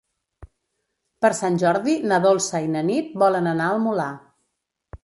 Per Sant Jordi na Dolça i na Nit volen anar al Molar.